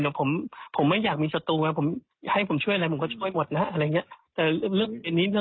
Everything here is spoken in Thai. มันมันมันแก้งไม่ได้ถ้าเกิดเขาไม่สั่งมันแก้งแก้งไม่ได้